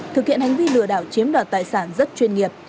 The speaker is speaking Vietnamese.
thực hiện hành vi lừa đảo chiếm đoạt tài sản rất chuyên nghiệp